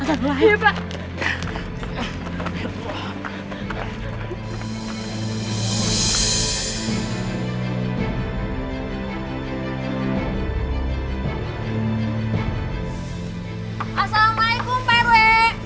assalamualaikum pak rue